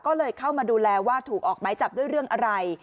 ก็เลยเข้ามาดูแลว่าถูกออกไม้จับด้วยเรื่องอะไร